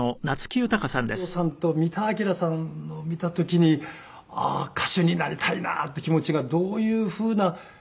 舟木一夫さんと三田明さんを見た時にああー歌手になりたいなっていう気持ちがどういうふうな。